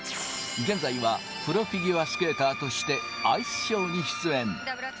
現在はプロフィギュアスケーターとしてアイスショーに出演。